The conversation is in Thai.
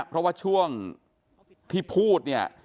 เพราะว่าช่วงที่พูดเนี่ย